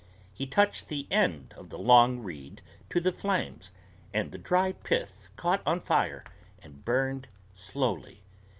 He touched the end of the long reed to the flames, and the dry pith caught on fire and burned slowly.